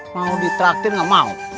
mau ditraktir nggak mau